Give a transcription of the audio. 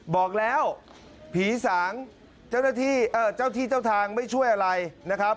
บอกแล้วผีสางเจ้าที่เจ้าทางไม่ช่วยอะไรนะครับ